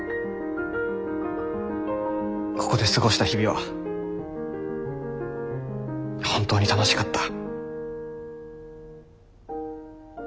「ここで過ごした日々は本当に楽しかった」。